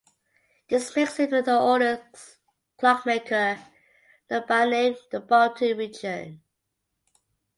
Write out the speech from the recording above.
This makes him the oldest clockmaker known by name in the Baltic region.